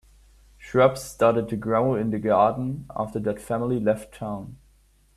Shrubs started to grow in the garden after that family left town.